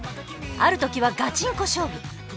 ある時はガチンコ勝負。